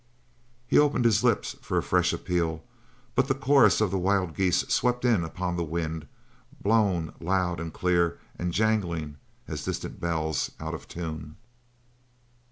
He opened his lips for a fresh appeal, but the chorus of the wild geese swept in upon the wind, blown loud and clear and jangling as distant bells out of tune.